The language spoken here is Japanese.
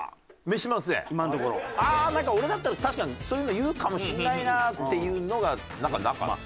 「なんか俺だったら確かにそういうの言うかもしんないな」っていうのがなかった。